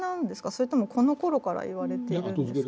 それともこのころから言われてるんですか。